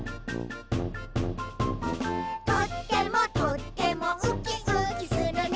「とってもとってもウキウキするね」